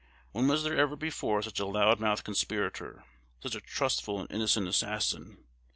When was there ever before such a loud mouthed conspirator, such a trustful and innocent assassin!